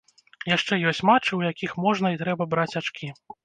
Яшчэ ёсць матчы, у якіх можна і трэба браць ачкі.